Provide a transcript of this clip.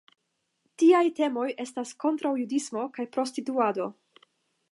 Tiaj temoj estis kontraŭjudismo kaj prostituado.